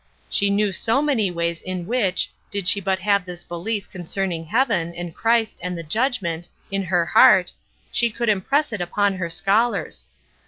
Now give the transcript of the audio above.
She knew so many ways in which, did she but have this belief concerning heaven, and Christ, and the judgment, in her heart, she could impress it upon her scholars.